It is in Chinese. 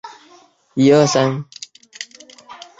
帝国议会时期。